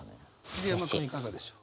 桐山君いかがでしょう？